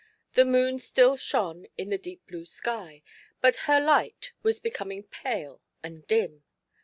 Tlie moon still shone in the deep blue sky ; but her light was becoming pale and dim.